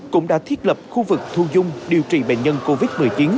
cũng đã thiết lập khu vực thu dung điều trị bệnh nhân covid một mươi chín